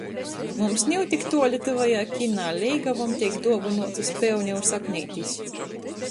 Mums niu tik tuoli tyvajā Kinā leigovom teik duovynuotys peoneju sakneitis.